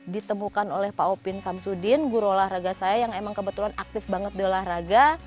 ditemukan oleh pak opin samsudin guru olahraga saya yang emang kebetulan aktif banget di olahraga